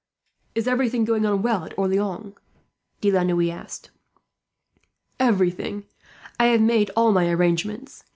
"Is everything going on well at Orleans?" De la Noue asked. "Everything. I have made all my arrangements.